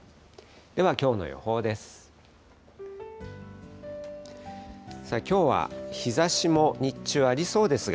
ではきょうの予報です。